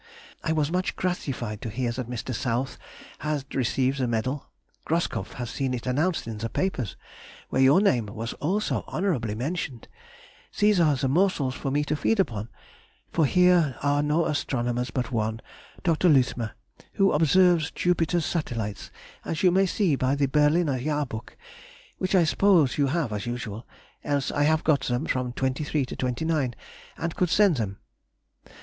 I was much gratified to hear that Mr. South had received the medal. Groskopf has seen it announced in the papers, where your name was also honourably mentioned; these are the morsels for me to feed upon, for here are no astronomers but one, Dr. Luthmer, who observes Jupiter's satellites, as you may see by the Berliner Jahrbuch, which I suppose you have, as usual, else I have got them from '23 to '29, and could send them.